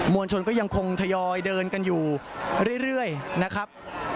วลชนก็ยังคงทยอยเดินกันอยู่เรื่อยนะครับ